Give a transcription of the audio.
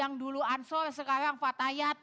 yang dulu ansor sekarang fatayat